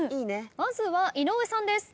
まずは井上さんです。